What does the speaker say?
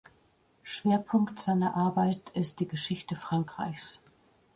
Schwerpunkt seiner Arbeit ist die Geschichte Frankreichs.